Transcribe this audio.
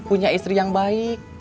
punya istri yang baik